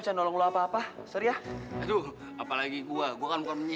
sampai jumpa di video selanjutnya